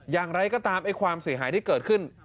อย่างไรก็ตามไอ้ความเสียหายที่เกิดขึ้น